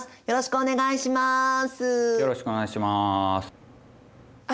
よろしくお願いします。